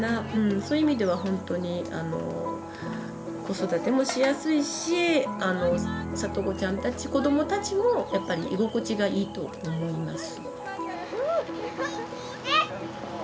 そういう意味ではほんとに子育てもしやすいし里子ちゃんたち子どもたちもやっぱり居心地がいいと思います。